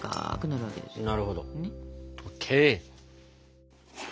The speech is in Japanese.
なるほど。